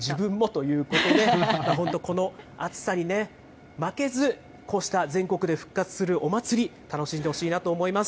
かっこ自分もということで、本当、この暑さにね、負けず、こうした全国で復活するお祭り、楽しんでほしいなと思います。